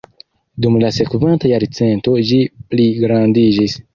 Dum la sekvanta jarcento ĝi pligrandiĝis.